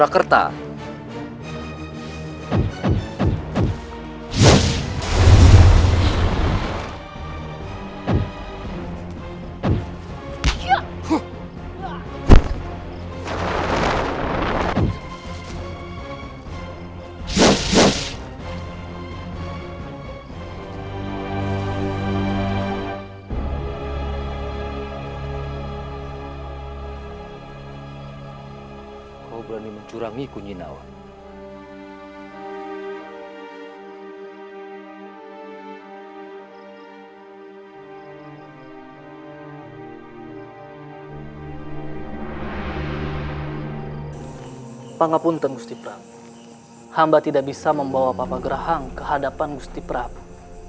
hamba tidak bisa membawa papa gerahang ke hadapan gusti prabu